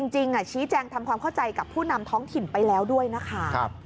จริงชี้แจงทำความเข้าใจกับผู้นำท้องถิ่นไปแล้วด้วยนะคะ